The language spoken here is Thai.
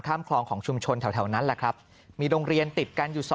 คลองของชุมชนแถวนั้นแหละครับมีโรงเรียนติดกันอยู่๒